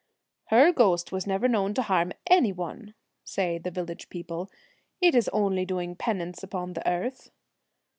1 Her ghost was never known to harm any one,' say the village people; 'it is only doing a penance upon the earth.'